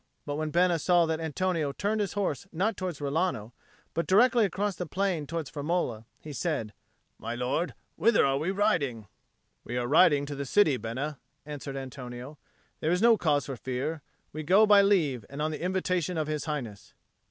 But when Bena saw that Antonio turned his horse not towards Rilano, but directly across the plain towards Firmola, he said, "My lord, whither are we riding?" "We are riding to the city, Bena," answered Antonio. "There is no cause for fear; we go by leave and on the invitation of His Highness."